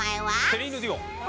セリーヌ・ディオン。